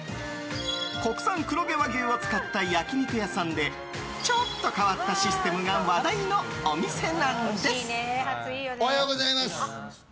国産黒毛和牛を使った焼き肉屋さんでちょっと変わったシステムが話題のお店なんです。